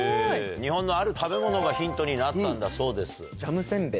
日本のある食べ物がヒントになったんだそうです。